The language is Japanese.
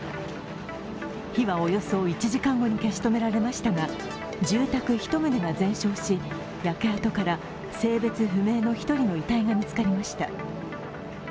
火はおよそ１時間後に消し止められましたが住宅１棟が全焼し、焼け跡から性別不明の１人の遺体が見つかりました。